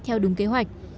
theo đúng kế hoạch